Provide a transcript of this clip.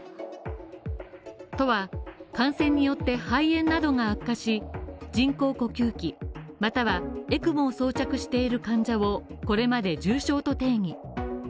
都は感染によって肺炎などが悪化し人工呼吸器またはＥＣＭＯを装着している患者をこれまで重症と定義。